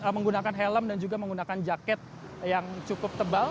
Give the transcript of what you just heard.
menggunakan helm dan juga menggunakan jaket yang cukup tebal